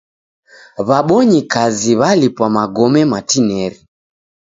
W'abonyi kazi w'alipwa magome matineri.